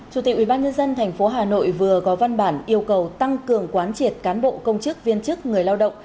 chủ tịch ubnd tp hà nội vừa có văn bản yêu cầu tăng cường quán triệt cán bộ công chức viên chức người lao động